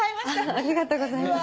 ありがとうございます。